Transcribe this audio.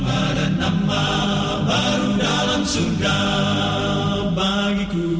ada nama baru dalam surga bagiku